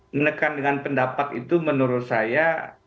menekan dengan pendapat itu menurut saya